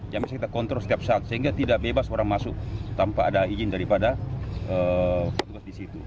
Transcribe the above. yang bisa kita kontrol setiap saat sehingga tidak bebas orang masuk tanpa ada izin daripada petugas di situ